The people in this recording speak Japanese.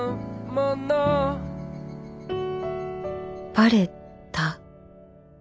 バレた？